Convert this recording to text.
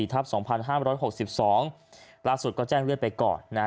สี่ทับสองพันห้าบ้านร้อยห้อสิบสองลักสุดก็แจ้งเลือดไปก่อนนะ